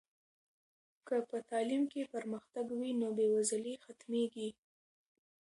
که په تعلیم کې پرمختګ وي نو بې وزلي ختمېږي.